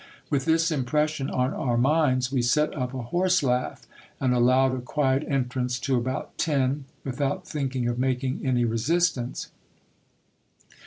With this impression on our minds, we set up a horse laugh, and allowed a quiet entrance to about ten, without thinking of making any resist ance.